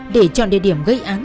để chọn địa điểm gây án